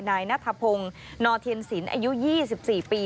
นายนัทพงศ์นเทียนศิลป์อายุ๒๔ปี